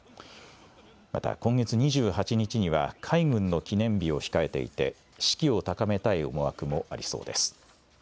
また、今月２８日には、海軍の記念日を控えていて、士気を高めたい思惑もありそうです。